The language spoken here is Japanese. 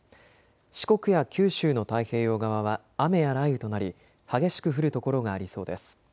四国や九州の太平洋側は雨や雷雨となり激しく降る所がありそうです。